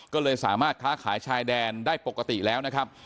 ก็เลยสามารถค้าขายชายแดนได้ปกติแล้วนะครับ